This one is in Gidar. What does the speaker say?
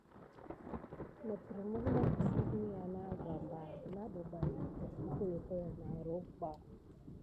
Kogan isa nà kisinek miya nà gambà, telā bebaye kia adesumku seya.